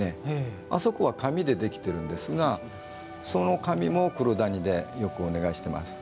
あそこは紙でできてるんですがその紙も黒谷でよくお願いしてます。